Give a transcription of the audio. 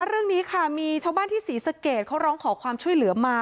เรื่องนี้ค่ะมีชาวบ้านที่ศรีสะเกดเขาร้องขอความช่วยเหลือมา